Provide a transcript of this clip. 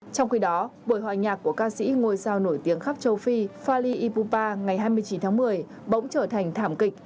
trong khi đó buổi hòa nhạc của ca sĩ ngôi sao nổi tiếng khắp châu phi fali ibupa ngày hai mươi chín tháng một mươi bỗng trở thành thảm kịch